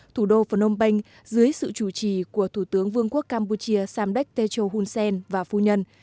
thủ đô phnom penh dưới sự chủ trì của thủ tướng vương quốc campuchia samdek techo hun sen và phu nhân